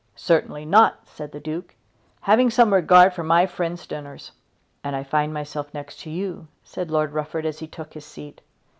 "Certainly not," said the Duke, "having some regard for my friends' dinners." "And I find myself next to you," said Lord Rufford as he took his seat.